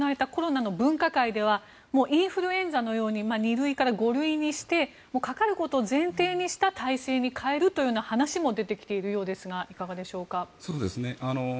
瀬尾さん、先週行われたコロナの分科会ではインフルエンザのように２類から５類にしてかかることを前提にした体制に変えるというような話も出てきているようですがいかがでしょうか。